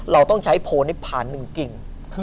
เราต้องใช้โพนิพพานหนึ่งกิ่ง